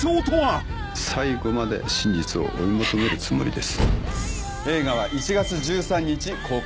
「最後まで真実を追い求めるつもりです」